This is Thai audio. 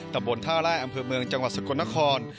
ตำบลท่าแร่อำเภอเมืองจังหวัดสกลนคร